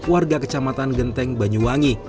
warga kecamatan genteng banyuwangi